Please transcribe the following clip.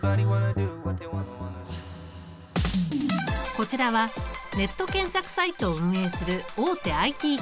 こちらはネット検索サイトを運営する大手ＩＴ企業。